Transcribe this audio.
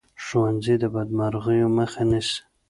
ښوونځی د بدمرغیو مخه نیسي